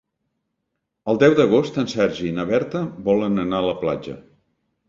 El deu d'agost en Sergi i na Berta volen anar a la platja.